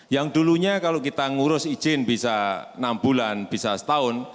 yang dulunya kalau kita ngurus izin bisa enam bulan bisa setahun